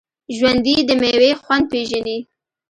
ژوندي د میوې خوند پېژني